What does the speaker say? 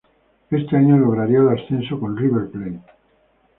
Ese año lograría el ascenso con River Plate.